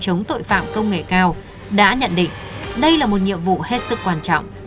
các tổ chức tội phạm công nghệ cao đã nhận định đây là một nhiệm vụ hết sức quan trọng